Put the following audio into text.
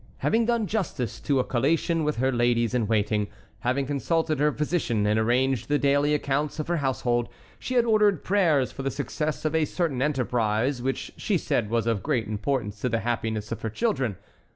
Having done justice to a collation with her ladies in waiting, having consulted her physician and arranged the daily accounts of her household, she had ordered prayers for the success of a certain enterprise, which she said was of great importance to the happiness of her children.